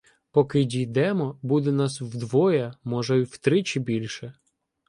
Поки дійдемо, буде нас вдвоє, може, і втричі більше.